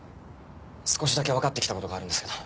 少しだけ分かって来たことがあるんですけど。